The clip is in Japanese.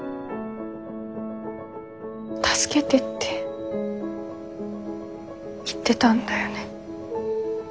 助けてって言ってたんだよね。